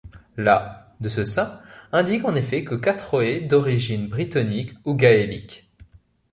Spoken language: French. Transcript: La ' de ce saint indique en effet que Cathróe d'origine brittonique ou gaélique.